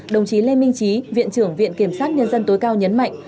đồng chí lê minh trí viện trưởng viện kiểm sát nhân dân tối cao nhấn mạnh